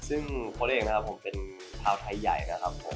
ซึ่งโครตเอกเป็นพาวไทยใหญ่นะครับ